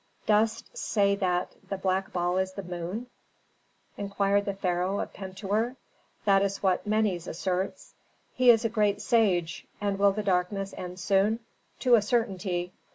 "Dost say that that black ball is the moon?" inquired the pharaoh of Pentuer. "That is what Menes asserts." "He is a great sage! And will the darkness end soon?" "To a certainty."